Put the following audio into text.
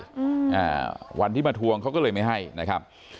อ่าวันที่มาทวงเขาก็เลยไม่ให้นะครับ